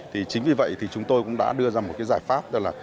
thì chính vì vậy thì chúng tôi cũng đã đưa ra một cái giải pháp là